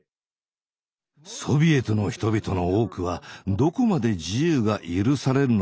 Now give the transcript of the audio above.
ソビエトの人々の多くはどこまで自由が許されるのかが分からない。